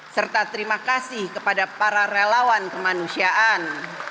serta terima kasih kepada para relawan kemanusiaan